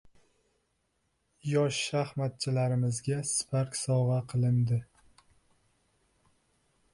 Yosh shaxmatchilarimizga «Spark» sovg‘a qilindi